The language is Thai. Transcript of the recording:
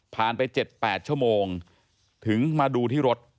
ไป๗๘ชั่วโมงถึงมาดูที่รถ